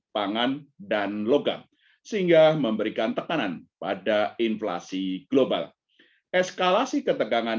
pangan dan logam sehingga memberikan tekanan pada inflasi global eskalasi ketegangan